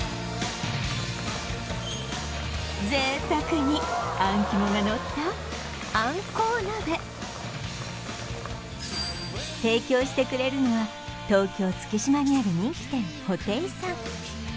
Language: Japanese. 贅沢にあん肝がのったあんこう鍋提供してくれるのは東京月島にある人気店ほていさん